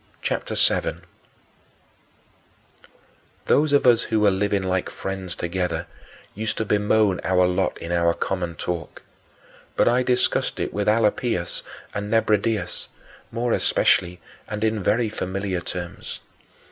CHAPTER VII 11. Those of us who were living like friends together used to bemoan our lot in our common talk; but I discussed it with Alypius and Nebridius more especially and in very familiar terms.